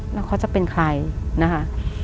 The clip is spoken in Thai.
แล้วเขาจะเป็นใครนะคะ